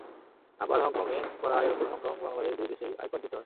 আবার হংকংয়ে করা আয়ের ওপর হংকং-বাংলাদেশ দুই দেশেই আয়কর দিতে হয়।